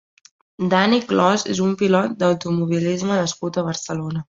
Dani Clos és un pilot d'automovilisme nascut a Barcelona.